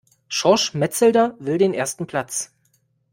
Schorsch Metzelder will den ersten Platz.